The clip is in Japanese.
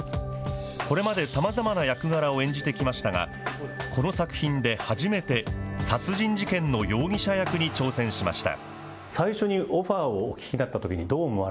これまで、さまざまな役柄を演じてきましたが、この作品で初めて殺人事件の容疑者役に挑戦しました。